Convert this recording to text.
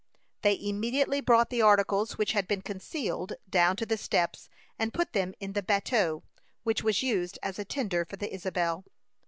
They immediately brought the articles which had been concealed down to the steps, and put them in the bateau, which was used as a tender for the Isabel.